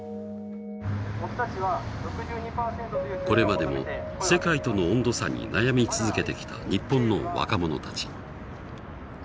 これまでも世界との温度差に悩み続けてきた日本の若者たち。